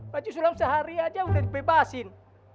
maju sulam sehari aja udah dibebasin